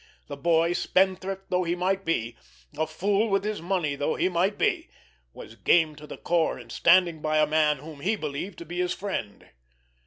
The boy, spendthrift though he might be, a fool with his money though he might be, was game to the core in standing by a man whom he believed to be his friend.